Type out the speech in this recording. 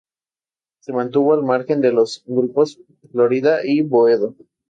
Se mantuvo al margen de los grupos Florida y Boedo.